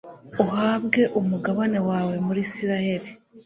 uhabwe umugabane wawe muri israheli